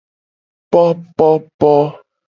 Popopo.